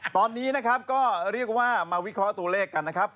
ตอนนี้นะครับก็เรียกว่ามาวิเคราะห์ตัวเลขกันนะครับ